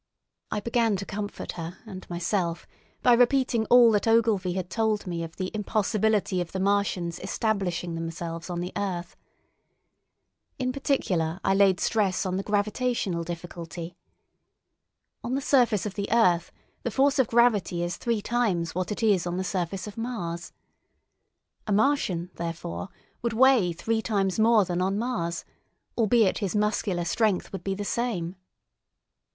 I began to comfort her and myself by repeating all that Ogilvy had told me of the impossibility of the Martians establishing themselves on the earth. In particular I laid stress on the gravitational difficulty. On the surface of the earth the force of gravity is three times what it is on the surface of Mars. A Martian, therefore, would weigh three times more than on Mars, albeit his muscular strength would be the same.